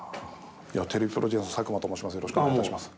テレビプロデューサーの佐久間と申します。